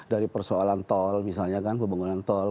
dari persoalan tol misalnya kan pembangunan tol